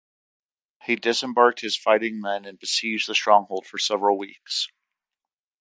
He disembarked his fighting men and besieged the stronghold for several weeks.